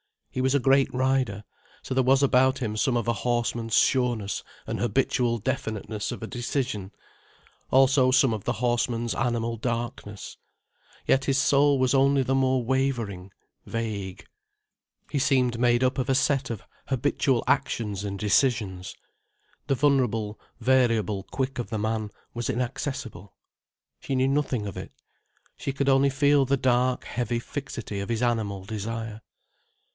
He was a great rider, so there was about him some of a horseman's sureness and habitual definiteness of decision, also some of the horseman's animal darkness. Yet his soul was only the more wavering, vague. He seemed made up of a set of habitual actions and decisions. The vulnerable, variable quick of the man was inaccessible. She knew nothing of it. She could only feel the dark, heavy fixity of his animal desire.